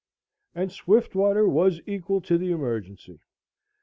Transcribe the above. And Swiftwater was equal to the emergency.